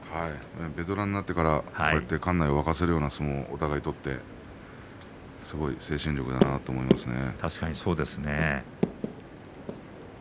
ベテランになってから館内を沸かせる相撲を取るというのは、すごい精神力だなと思いますね。